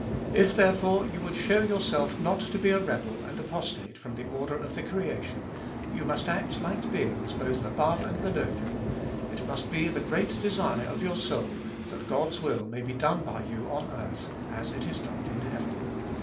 If, therefore, you would shew yourself not to be a rebel and apostate from the order of the creation, jou must act like beings both above and below you ; it must be the great desire of your soul, that God's will may be done by you on earth, as it is done in heaven.